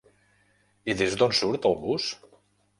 I des d'on surt el bus?